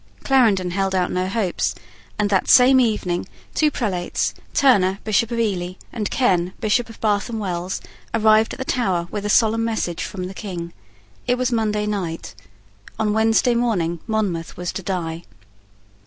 Clarendon held out no hopes; and that same evening two prelates, Turner, Bishop of Ely, and Ken, Bishop of Bath and Wells, arrived at the Tower with a solemn message from the King. It was Monday night. On Wednesday morning Monmouth was to die.